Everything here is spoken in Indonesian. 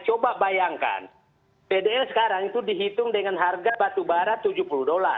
coba bayangkan tdl sekarang itu dihitung dengan harga batu bara rp tujuh puluh